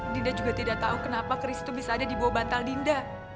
dinda juga tidak tahu kenapa keris itu bisa ada di bawah bantal dinda